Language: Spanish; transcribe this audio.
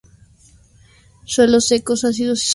Suelos secos, ácidos y soleados.